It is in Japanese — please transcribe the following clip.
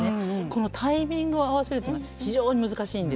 このタイミングを合わせるというのは非常に難しいんですよ。